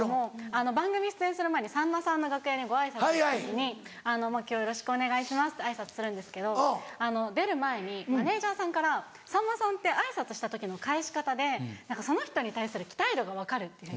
番組に出演する前にさんまさんの楽屋にご挨拶に行った時に今日はよろしくお願いしますって挨拶するんですけど出る前にマネジャーさんからさんまさんって挨拶した時の返し方でその人に対する期待度が分かるって。